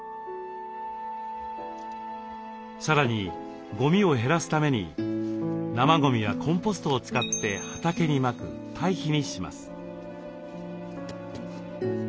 さらにごみを減らすために生ごみはコンポストを使って畑にまく堆肥にします。